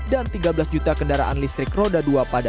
dan tiga belas juta kendaraan listrik roda dua pada dua ribu tiga puluh